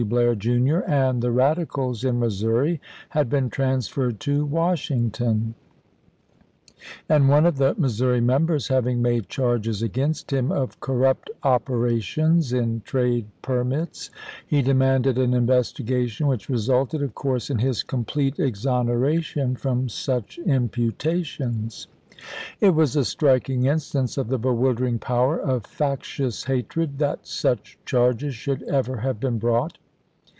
Blair, Jr., and the radicals in Missouri had been transferred to Washington ; and one of the Missouri members having made charges against him of corrupt operations in trade permits, he demanded an investigation, which resulted, of course, in his complete exoneration from such im putations. It was a striking instance of the bewildering power of factious hatred that such charges should ever have been brought.